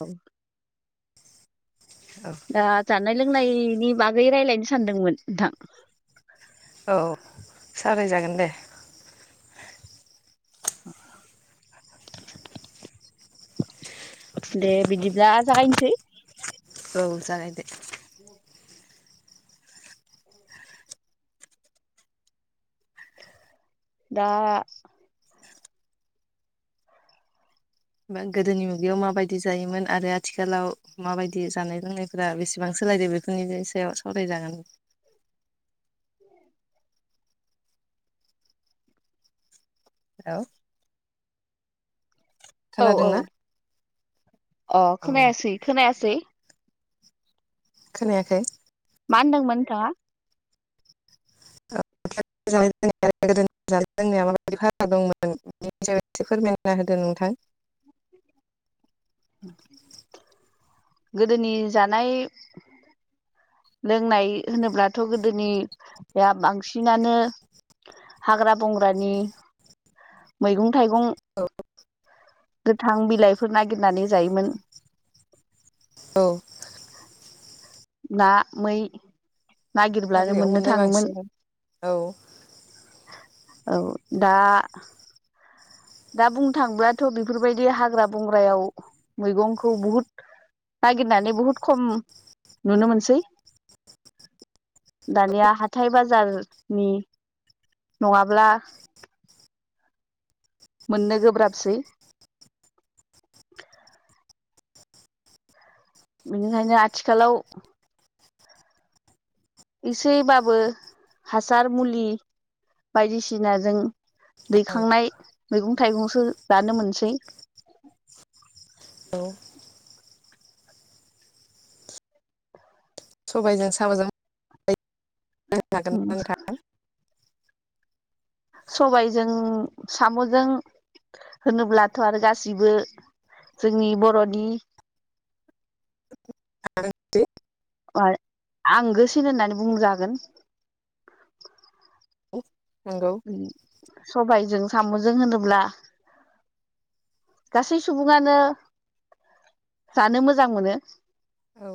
औ औ दा जानाय लोंनायनि बागै रायलायनो सानदोंमोन नोंथां औ सावराय जागोन दे [inaudible] दे बिदिब्ला जागायनोसै औ जागाय दो [inaudible] दा गोदोनि मुगायाव माबायदि जायोमोन आरो आथिखालाव माबायदि जानाय लोंनायफोरा बेसेबांसो सोलायदो बेफोरनि सायाव सावरायजागोन औ औ औ खोनादोंना अ औ खोनायासै खोनायासै खोनायाखै मा होनदोंमोन नोंथाङा आथिखालनि जानाय लोंनाय आरो गोदोनि जानाय लोंनायाव माबादि फाराग दंमोन बेफोरनि सायाव एसे फोरमायना होदो नोंथां गोदोनि जानाय लोंनाय होनोब्लाथ' गोदोनिआ बांसिनानो हाग्रा बंग्रानि मैगं थाइगं औ गोथां बिलाइफोर नागिरनानै जायोमोन। औ ना मै नागिरब्लानो हाग्रायाव मोननो मोननाय थाङोमोन। बांसिन औ औ औ दा दा बुंनो थाङोब्लाथ' बेफोरबायदि हाग्रा बंग्रायाव मैगंखौ बुहुद नागिरनानै बुहुद खम नुनो मोनसै दानिया हाथाय बाजारनि। नङाब्ला। मोननो गोब्राबसै। बेनिखायनो आथिखालाव। एसेबाबो हासार मुलि बायदिसिनाजों। दैखांनाय मैगं थाइगंसो जानो मोनसै। औ। सबाइजों साम'जों। [unintelligible] हागोनना नोंथां। सबायजों साम'जों। होनोब्लाथ' आरो गासिबो जोंनि बर'नि। [inaudible] आं गोसिन होननानै बुंजागोन। [inaudible] नंगौ। सबायजों साम'जों होनोब्ला। गासै सुबुङानो जानो मोजां मोनो। औ।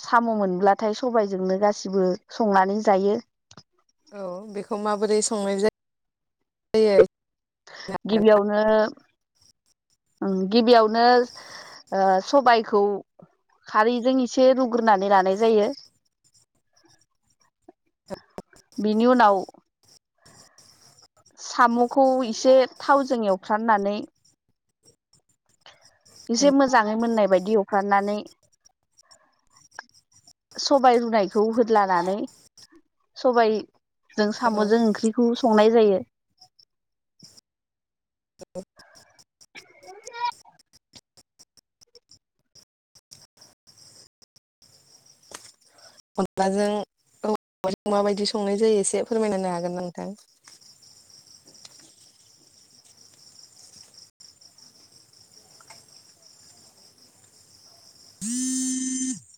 साम' मोनब्लाथाय सबायजोंनो गासिबो संनानै जायो। औ बेखौ माबोरै संनाय जा यो। गिबियावनो। ओम गिबियावनो ओ सबाइखौ। खारैजों एसे रुग्रोनानै लानाय जायो। [inaudible] बिनि उनाव। साम'खौ इसे थावजों एवफ्रामनानै। इसे मोजाङै मोननाय बायदि एवफ्रानानै। सबाय रुनायखौ होदलानानै सबाय। जों औ साम'जों ओंख्रिखौ संनाय जायो। अनलाजों दाउजों माबायदि संनाय जायो एसे फोरमायना होनो हागोन ना नोंथां। [inaudible] [inaudible]